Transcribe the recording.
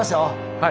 はい。